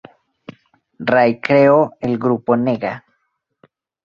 Ray creó el grupo Nega.